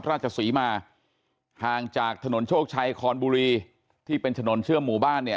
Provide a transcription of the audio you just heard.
ราชศรีมาห่างจากถนนโชคชัยคอนบุรีที่เป็นถนนเชื่อมหมู่บ้านเนี่ย